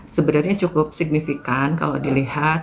sebenarnya cukup signifikan kalau dilihat